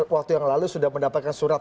waktu yang lalu sudah mendapatkan surat